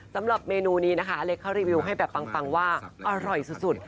สำหรับเมนูนี้นะคะอเล็กเขารีวิวให้แบบปังว่าอร่อยสุด